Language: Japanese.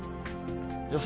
予想